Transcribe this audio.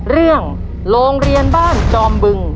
เรื่องโรงเรียนบ้านจอมบึง